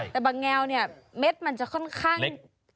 แต่บางแงวเนี่ยเม็ดมันจะค่อนข้าง